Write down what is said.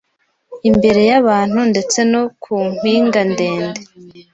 imbere yabantu Ndetse no ku mpinga ndende